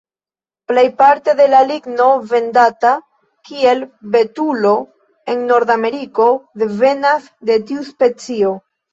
Plejparte de la ligno vendata kiel betulo en Nordameriko devenas de tiu specio.